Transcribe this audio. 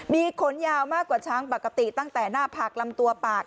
มีขนยาวมากกว่าช้างปกติตั้งแต่หน้าผากลำตัวปาก